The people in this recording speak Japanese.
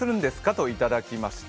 といただきました。